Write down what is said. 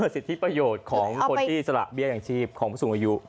สิทธิประโยชน์ของคนที่สละเบี้ยอย่างชีพของผู้สูงอายุ